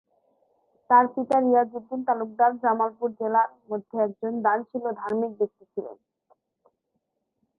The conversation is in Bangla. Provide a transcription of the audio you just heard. তার পিতা রিয়াজ উদ্দিন তালুকদার জামালপুর জেলার মধ্যে একজন দানশীল ও ধার্মিক ব্যক্তি ছিলেন।